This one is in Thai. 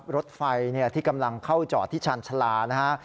รถไฟที่กำลังเข้าจอดที่ชาญชาลานะฮะ